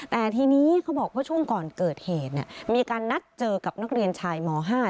แต่ทีนี้เขาบอกว่าช่วงก่อนเกิดเหตุเนี่ยมีการนัดเจอกับนักเรียนชายม๕